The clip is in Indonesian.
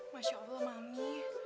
masya allah mami